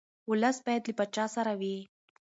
ولس باید له پاچا سره وي.